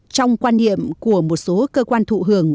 trong quan niệm của một số cơ quan thụ hưởng